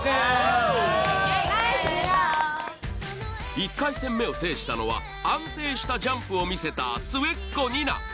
１回戦目を制したのは安定したジャンプを見せた末っ子ＮＩＮＡ